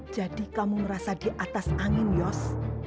jadi kamu merasa di atas angin yos